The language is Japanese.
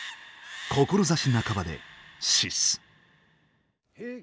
志半ばで死す。